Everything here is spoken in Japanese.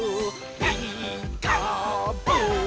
「ピーカーブ！」